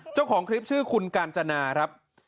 เจ้าของคลิปชื่อคุณกาญจนาครับ